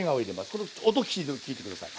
この音聞いて下さい。